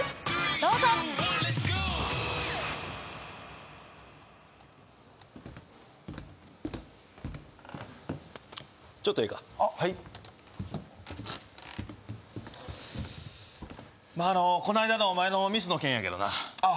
どうぞちょっとええかはいまあこないだのお前のミスの件やけどなあっ